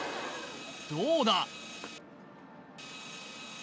どうだ！